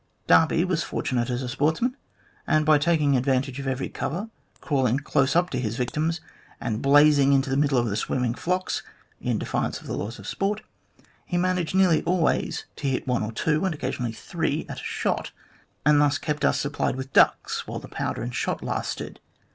Darby was fortunate as a sportsman, and by taking advantage of every cover, crawling close up to his victims, and blazing into the middle of the swimming flocks, in defiance of the laws of sport, he managed nearly always to hit one or two, and occasionally three, at a shot, and thus kept us supplied with ducks while the powder and shot lasted.